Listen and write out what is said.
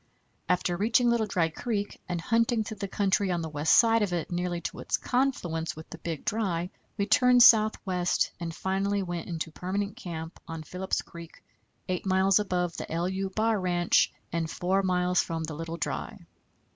After reaching Little Dry Creek and hunting through the country on the west side of it nearly to its confluence with the Big Dry we turned southwest, and finally went into permanent camp on Phillips Creek, 8 miles above the =LU= bar ranch and 4 miles from the Little Dry.